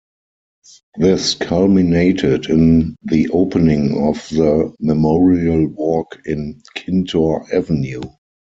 This culminated in the opening of the Memorial Walk in Kintore Avenue.